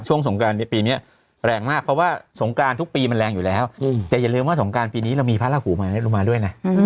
สงการในปีนี้แรงมากเพราะว่าสงกรานทุกปีมันแรงอยู่แล้วแต่อย่าลืมว่าสงการปีนี้เรามีพระราหูใหม่ลงมาด้วยนะ